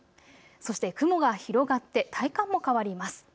そして雲が広がって体感も変わります。